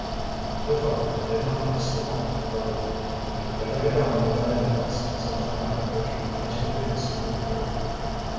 The clerk did not press the point further. "You'd better get on with that index," said the high official as Rufinus withdrew.